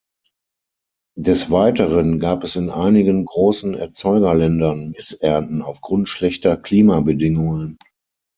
Des Weiteren gab es in einigen großen Erzeugerländern Missernten aufgrund schlechter Klimabedingungen.